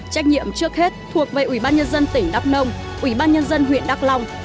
trách nhiệm trước hết thuộc về ủy ban nhân dân tỉnh đắk nông ủy ban nhân dân huyện đắk long